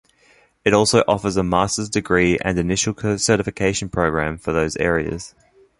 It also offers a master's degree and initial certification program for those areas.